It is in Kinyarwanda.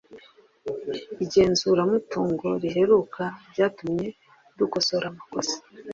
Igenzuramutungo riheruka ryatumye dukosora amakosa